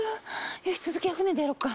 よし続きは船でやろっか。